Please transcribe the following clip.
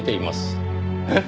えっ？